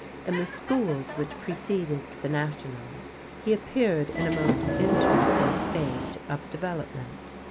In the schools which preceded the National, he appeared in a most interesting stage of development.